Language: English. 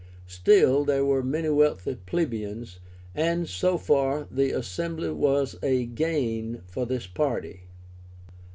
Still there were many wealthy plebeians, and so far the assembly was a gain for this party.